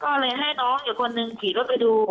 ก็เลยให้น้องอยู่คนหนึ่งขีดว่าไปดู